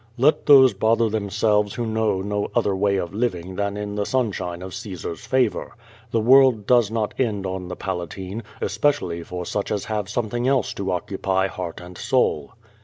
"Let those bother themselves who know no other way of living than in the sunshine of Caesars favor. The world does not end on the Palatine, especially for such as have something else to occupy heart and soul."